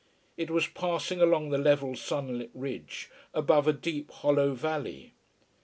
It was passing along the level sunlit ridge above a deep, hollow valley.